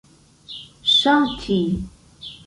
ŝati